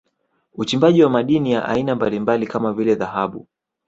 Uchimbaji wa madini ya aina mbalimbali kama vile Dhahabu